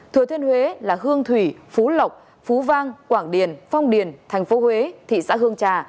thừa thiên huế là hương thủy phú lộc phú vang quảng điền phong điền thành phố huế thị xã hương trà